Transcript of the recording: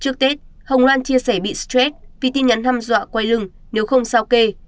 trước tết hồng loan chia sẻ bị stress vì tin nhắn hăm dọa quay lưng nếu không sao kê